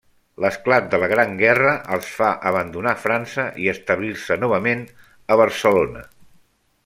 L'esclat de la Gran Guerra els fa abandonar França i establir-se novament a Barcelona.